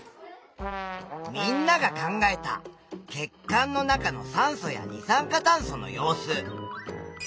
みんなが考えた血管の中の酸素や二酸化炭素の様子。